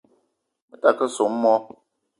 Me ta ke soo moo